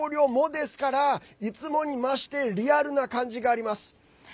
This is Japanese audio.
ですから、いつもに増してリアルな感じがあります。